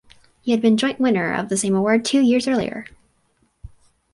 He had been joint winner of the same award two years earlier.